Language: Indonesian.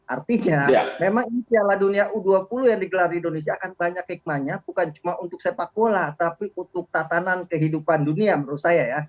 artinya memang ini piala dunia u dua puluh yang digelar di indonesia akan banyak hikmahnya bukan cuma untuk sepak bola tapi untuk tatanan kehidupan dunia menurut saya ya